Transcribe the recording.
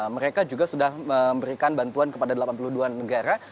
mereka juga sudah memberikan bantuan kepada delapan puluh dua negara